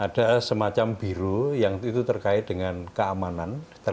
ada semacam biru yang itu terkait dengan keamanan